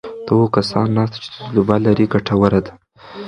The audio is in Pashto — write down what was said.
د هغو کسانو ناسته چې تجربه لري ګټوره ده.